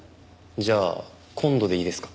じゃあ今度でいいですか？